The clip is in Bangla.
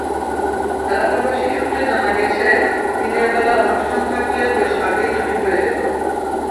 এলাকাবাসী সূত্রে জানা গেছে, দিনের বেলা অনুষ্ঠান থাকলে বেশ আগেই ছুটি হয়ে যেত।